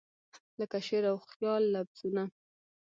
لکه شعر او خیال لفظونه